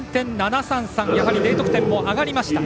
やはりＤ得点も上がりました。